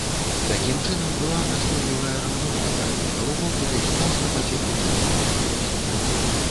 Такім чынам, была настойлівая раўнавага, і галубок увесь час на пацеху дзецям кружыўся.